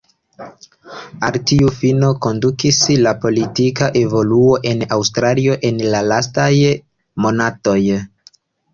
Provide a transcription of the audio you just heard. Al tiu fino kondukis la politika evoluo en Aŭstrio en la lastaj monatoj.